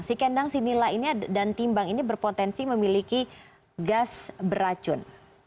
si kendang si nila ini dan timbang ini berpotensi memiliki gas beracun